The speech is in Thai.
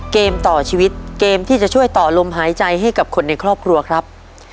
เกมต่อชีวิตเกมที่จะช่วยต่อลมหายใจให้กับคนในครอบครัวครับ